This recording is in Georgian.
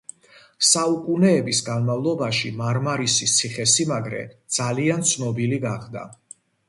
საუკუნეების განმავლობაში მარმარისის ციხესიმაგრე ძალიან ცნობილი გახდა.